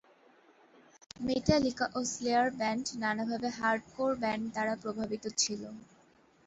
Metallica ও Slayer band নানাভাবে hardcore band দ্বারা প্রভাবিত ছিল।